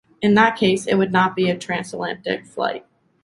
In that case it would not be a transatlantic flight.